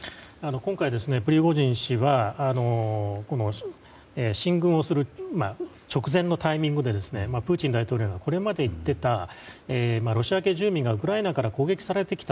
今回、プリゴジン氏は進軍をする直前のタイミングでプーチン大統領がこれまで言っていたロシア系住民がウクライナから攻撃されてきた。